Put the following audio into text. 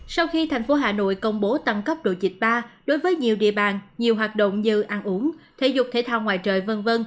sau khi thành phố hà nội công bố tăng cấp độ dịch ba đối với nhiều địa bàn nhiều hoạt động như ăn uống thể dục thể thao ngoài trời v v